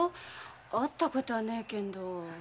会ったことはねえけんど。